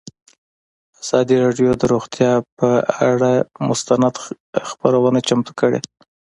ازادي راډیو د روغتیا پر اړه مستند خپرونه چمتو کړې.